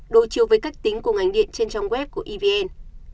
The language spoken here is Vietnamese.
đối chiếu với cách tính của ngành điện trên trong web của evn